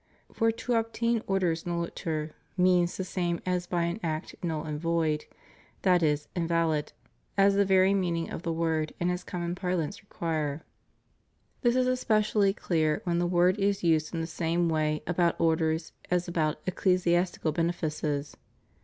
For to obtain orders nulliter means the same as by an act null and void, that is in valid., as the very meaning of the word and as common parlance require. This is especially clear when the word is used in the same way about orders as about "ecclesias tical benefices."